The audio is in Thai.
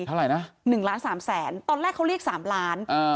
เท่าไหร่นะ๑ล้านสามแสนตอนแรกเขาเรียกสามล้านอ่า